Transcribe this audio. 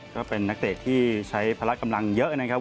ก็เป็นนักเตะที่ใช้พละกำลังเยอะนะครับ